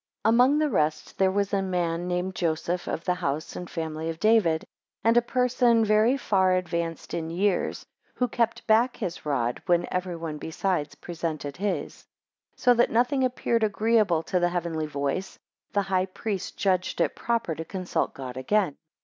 AMONG the rest there was a man named Joseph of the house and family of David, and a person very far advanced in years, who kept back his rod, when every one besides presented his. 2 So that when nothing appeared agreeable to the heavenly voice, the high priest judged it proper to consult God again.